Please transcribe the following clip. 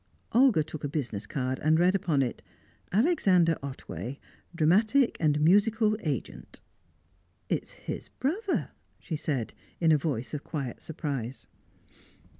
Olga took a business card, and read upon it: "Alexander Otway, Dramatic & Musical Agent." "It's his brother," she said, in a voice of quiet surprise.